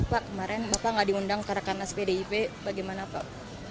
bapak kemarin bapak tidak diundang karena spdip bagaimana pak